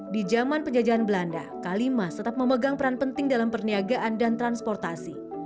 di zaman penjajahan belanda kalimas tetap memegang peran penting dalam perniagaan dan transportasi